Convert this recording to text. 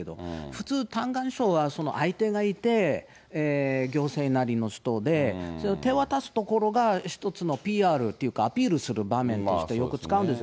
普通、嘆願書は相手がいて、行政なりの人で、手渡すところが一つのＰＲっていうか、アピールする場面としてよく使うんです。